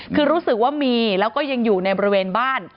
คือรู้สึกว่ามีแล้วก็ยังอยู่ในบริเวณบ้าน